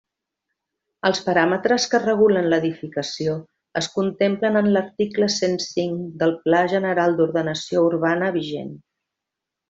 Els paràmetres que regulen l'edificació es contemplen en l'article cent cinc del Pla General d'Ordenació Urbana vigent.